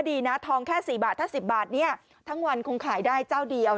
ดีนะทองแค่๔บาทถ้า๑๐บาททั้งวันคงขายได้เจ้าเดียว